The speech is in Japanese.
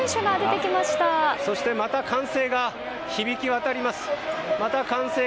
また歓声が響き渡ります。